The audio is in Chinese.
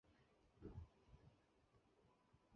他现在效力于英冠球会谢周三足球俱乐部。